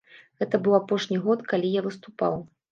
Гэта быў апошні год, калі я выступаў.